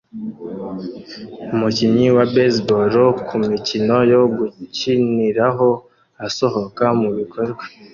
Umukinnyi wa baseball kumikino yo gukiniraho asohoka mubikorwa